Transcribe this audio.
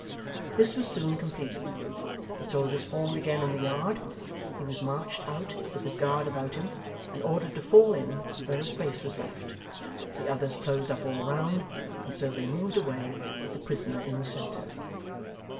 This was soon completed. The soldiers formed again in the yard; he was marched out, with his guard about him; and ordered to fall in, where a space was left. The others closed up all round, and so they moved away, with the prisoner in the centre.